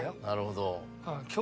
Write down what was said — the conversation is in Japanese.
なるほど。